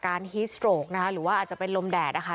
ฮีสโตรกนะคะหรือว่าอาจจะเป็นลมแดดนะคะ